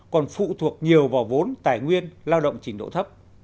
còn phụ thuộc nhiều vào vốn tài nguyên lao động trình độ thấp